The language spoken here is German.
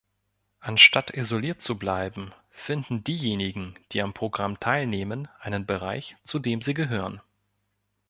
Anstatt isoliert zu bleiben, finden diejenigen, die am Programm teilnehmen, einen Bereich, zu dem sie gehören.